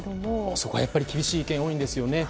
そこはやっぱり厳しい意見が多いんですよね。